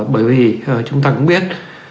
bởi vì chúng ta cũng biết